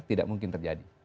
tidak mungkin terjadi